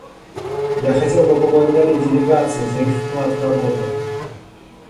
Я хотел бы поблагодарить делегации за их вклад в работу.